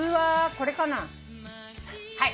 はい。